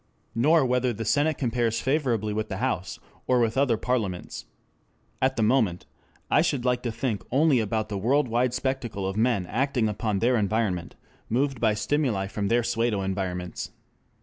Nor whether the Senate compares favorably with the House, or with other parliaments. At the moment, I should like to think only about the world wide spectacle of men acting upon their environment, moved by stimuli from their pseudo environments.